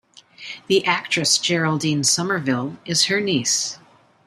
The actress Geraldine Somerville is her niece.